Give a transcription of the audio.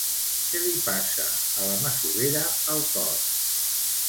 Què li passa a la masovera al cor?